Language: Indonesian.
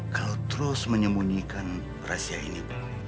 kau terus menyembunyikan rahasia ini